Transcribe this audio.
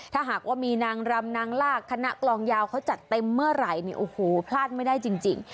ถ้าหากว่ามีนางรำนางลากคณะกลองยาวเขาจัดเต็มเมื่อไหร่เนี่ยโอ้โหพลาดไม่ได้จริง